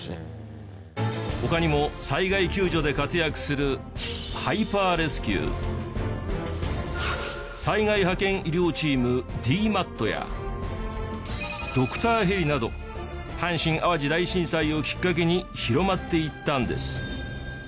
他にも災害救助で活躍するハイパーレスキュー災害派遣医療チームＤＭＡＴやドクターヘリなど阪神・淡路大震災をきっかけに広まっていったんです。